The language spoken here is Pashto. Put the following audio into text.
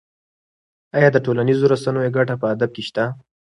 ایا د ټولنیزو رسنیو ګټه په ادب کې شته؟